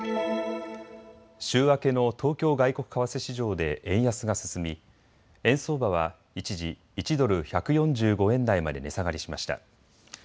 週明けの東京外国為替市場で円安が進み円相場は一時、１ドル１４５円台まで値下がりしました。